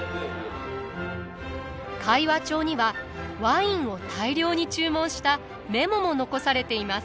会話帳にはワインを大量に注文したメモも残されています。